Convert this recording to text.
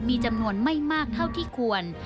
มีจำนวนไม่มากเท่าที่ควร